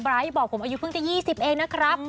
บอกผมอายุเพิ่งจะ๒๐เองนะครับ